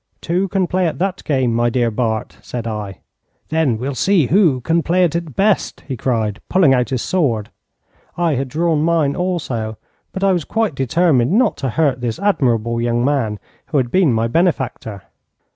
'Two can play at that game, my dear Bart,' said I. 'Then we'll see who can play at it best,' he cried, pulling out his sword. I had drawn mine also, but I was quite determined not to hurt this admirable young man who had been my benefactor.